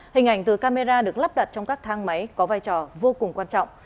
hình ảnh từ camera được lắp đặt trong các thang máy có vai trò vô cùng quan trọng